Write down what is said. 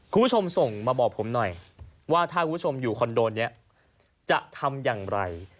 คุณผู้ชมส่งมาบอกผมหน่อยว่าถ้าคุณผู้ชมอยู่คอนโดนี้จะทำอย่างไร